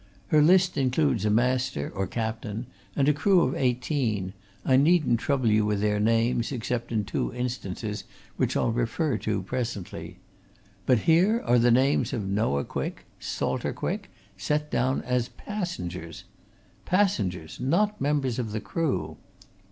Her list includes a master, or captain, and a crew of eighteen I needn't trouble you with their names, except in two instances, which I'll refer to presently. But here are the names of Noah Quick, Salter Quick set down as passengers. Passengers! not members of the crew.